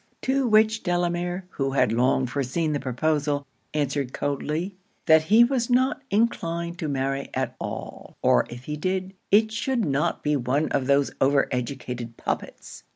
To which, Delamere, who had long foreseen the proposal, answered coldly, 'that he was not inclined to marry at all; or if he did, it should not be one of those over educated puppets.'